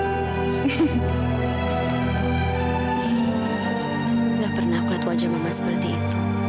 tidak pernah aku lihat wajah mama seperti itu